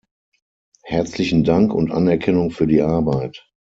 Herzlichen Dank und Anerkennung für die Arbeit.